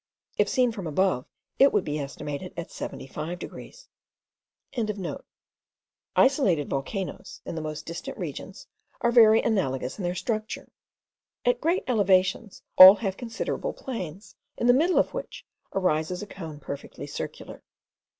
If seen from above it would be estimated at 75 degrees.) Isolated volcanoes, in the most distant regions, are very analogous in their structure. At great elevations all have considerable plains, in the middle of which arises a cone perfectly circular.